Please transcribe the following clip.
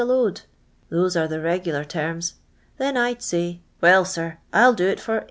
a load.' Those are the regular terms. Then I 'd say, ' Wdl, sir, I '11 d.» it for 8.